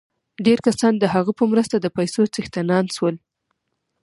ډېر کسان د هغه په مرسته د پیسو څښتنان شول